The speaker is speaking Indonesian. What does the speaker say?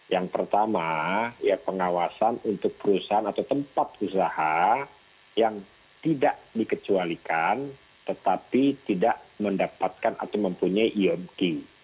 yang pertama ya pengawasan untuk perusahaan atau tempat usaha yang tidak dikecualikan tetapi tidak mendapatkan atau mempunyai iopg